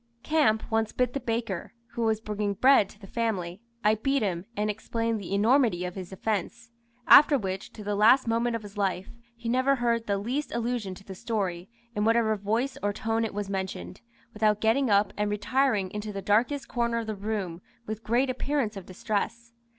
Camp once bit the baker, who was bringing bread to the family. I beat him, and explained the enormity of his offence; after which, to the last moment of his life, he never heard the least allusion to the story, in whatever voice or tone it was mentioned, without getting up and retiring into the darkest corner of the room, with great appearance of distress.